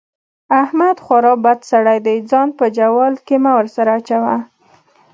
احمد خورا بد سړی دی؛ ځان په جوال کې مه ور سره اچوه.